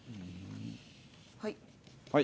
はい。